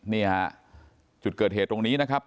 นี่ฮะจุดเกิดเหตุตรงนี้นะครับ